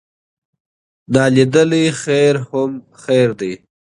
نا لیدلی خیر هم خیر دی.